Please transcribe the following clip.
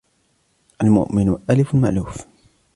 الْمُؤْمِنُ آلِفٌ مَأْلُوفٌ